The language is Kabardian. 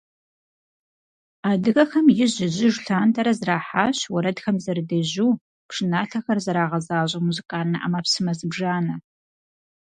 Адыгэхэм ижь-ижьыж лъандэрэ зэрахьащ уэрэдхэм зэрыдежьу, пшыналъэхэр зэрагъэзащӀэ музыкальнэ Ӏэмэпсымэ зыбжанэ.